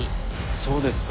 そうですか。